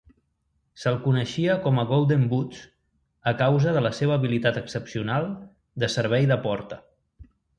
Se'l coneixia com a "golden boots" a causa de la seva habilitat excepcional de servei de porta.